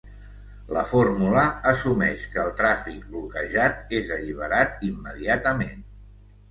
La fórmula assumeix que el tràfic bloquejat és alliberat immediatament.